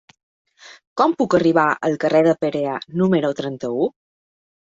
Com puc arribar al carrer de Perea número trenta-u?